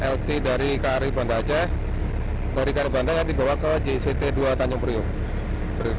lc dari kri banda aceh dari kri banda yang dibawa ke gict dua tanjung priok